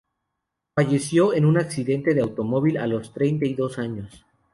Falleció en un accidente de automóvil a los treinta y dos años.